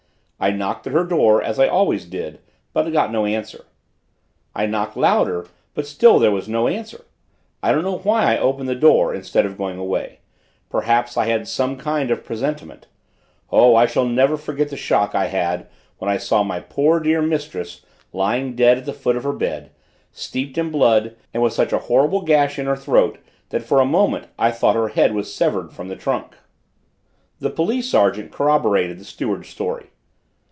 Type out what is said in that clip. I knocked at her door as I always did, but got no answer. I knocked louder, but still there was no answer. I don't know why I opened the door instead of going away; perhaps I had some kind of presentiment. Oh, I shall never forget the shock I had when I saw my poor dear mistress lying dead at the foot of her bed, steeped in blood, and with such a horrible gash in her throat that for a moment I thought her head was severed from the trunk." The police sergeant corroborated the steward's story.